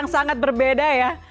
sangat berbeda ya